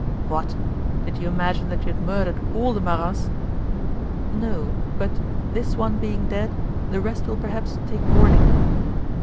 "What? Did you imagine that you had murdered all the Marats?" "No, but, this one being dead, the rest will perhaps take warning."